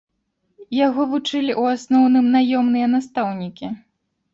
Яго вучылі ў асноўным наёмныя настаўнікі.